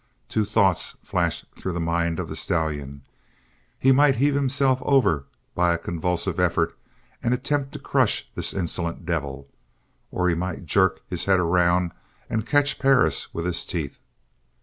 Two thoughts flashed through the mind of the stallion; he might heave himself over by a convulsive effort and attempt to crush this insolent devil; or he might jerk his head around and catch Perris with his teeth.